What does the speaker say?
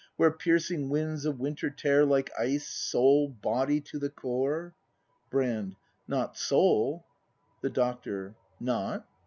Where piercing winds of winter tear Like ice, soul, body to the core Brand. Not soul. The Doctor. Not